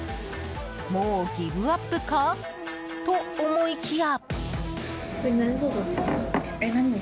もうギブアップか？と思いきや。